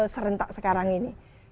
serentak sekarang ini